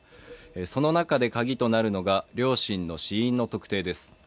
その中でカギとなるのが両親の死因の特定です。